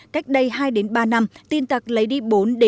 cách đây hai ba năm tin tặc lấy đi bốn năm mươi tỷ đồng là rất lớn